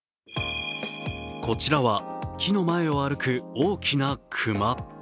こちらは、木の前を歩く大きな熊。